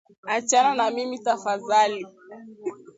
Achana na mimi tafadhali